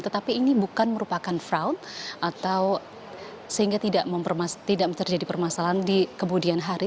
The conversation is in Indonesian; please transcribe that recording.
tetapi ini bukan merupakan fraud atau sehingga tidak terjadi permasalahan di kemudian hari